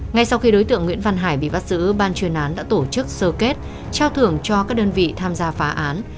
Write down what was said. ngay sau khi đối tượng nguyễn văn hải bị bắt giữ ban chuyên án đã tổ chức sơ kết trao thưởng cho các đơn vị tham gia phá án